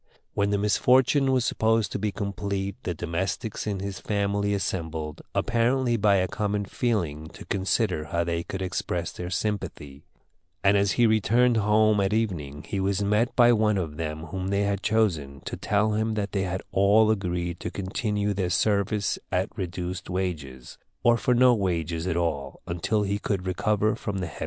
When the misfortune was supposed to be complete the domestics in his family assembled, apparently by a common feeling, to consider how they could express their sympathy; and as he returned home at evening he was met by one of them whom they had chosen, to tell him that they had all agreed to continue their service at reduced wages, or for no wages at all, until he should recover from the heavy loss.